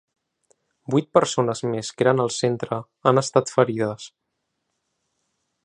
Vuit persones més que eren al centre han estat ferides.